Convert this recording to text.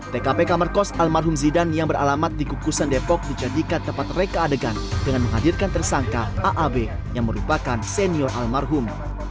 tkp kamar kos almarhum zidan yang beralamat di kukusan depok dijadikan tempat reka adegan dengan menghadirkan tersangka aab yang merupakan senior almarhum